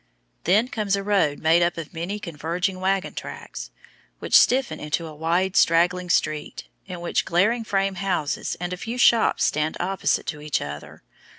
2." Then comes a road made up of many converging wagon tracks, which stiffen into a wide straggling street, in which glaring frame houses and a few shops stand opposite to each other.